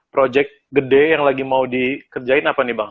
proyek gede yang lagi mau dikerjain apa nih bang